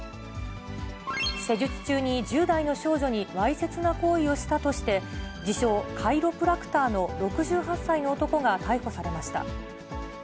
施術中に１０代の少女にわいせつな行為をしたとして、自称、カイロプラクターの６８歳の男が逮捕されました。